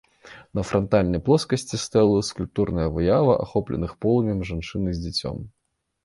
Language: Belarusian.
На франтальнай плоскасці стэлы скульптурная выява ахопленых полымем жанчыны з дзіцем.